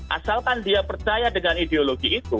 asalkan dia percaya dengan ideologi itu